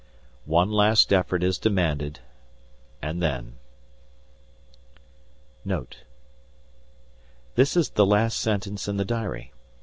One last effort is demanded, and then NOTE _This is the last sentence in the diary.